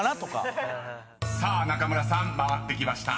［中村さん回ってきました］